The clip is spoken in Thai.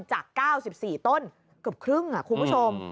จาก๙๔ต้นเกือบครึ่งคุณผู้ชม